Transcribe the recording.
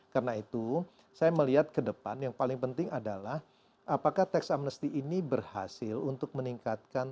karena itu saya melihat ke depan yang paling penting adalah apakah tax amnesty ini berhasil untuk meningkatkan